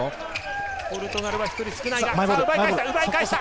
ポルトガルは１人少ないが奪い返した。